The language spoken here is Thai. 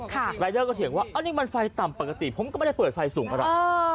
รายเดอร์ก็เถียงว่านี่มันไฟต่ำปกติผมก็ไม่ได้เปิดไฟสูงอะไร